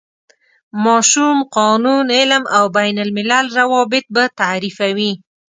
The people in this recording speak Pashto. ماشوم، قانون، علم او بین الملل روابط به تعریفوي.